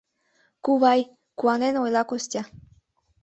— Кувай, — куанен ойла Костя.